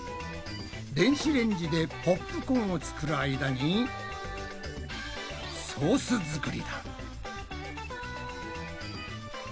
電子レンジでポップコーンを作る間にソース作りだ。